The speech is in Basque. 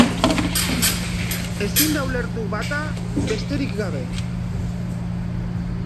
Ezin da ulertu bata besterik gabe.